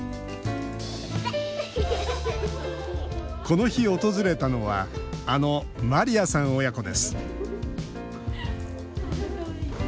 この日、訪れたのはあのマリアさん親子です。